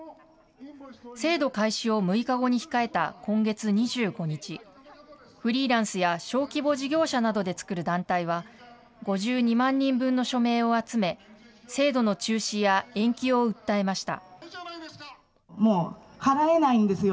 制度開始を６日後に控えた今月２５日、フリーランスや小規模事業者などで作る団体は、５２万人分の署名を集め、制度の中止や延期を訴えました。